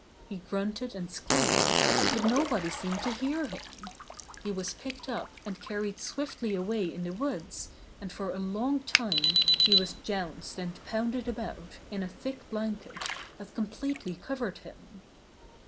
He grunted and squealed, but nobody seemed to hear him. He was picked up and carried swiftly away in the woods and for a long time he was jounced and pounded about in a thick blanket that completely cov ered him.